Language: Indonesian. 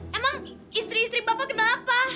emang istri istri bapak kenapa